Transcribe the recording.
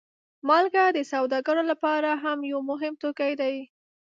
مالګه د سوداګرو لپاره هم یو مهم توکی دی.